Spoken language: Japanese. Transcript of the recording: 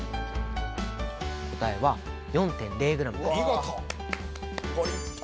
答えは４．０ｇだ。